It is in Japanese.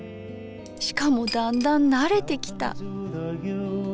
しかもだんだん慣れてきた。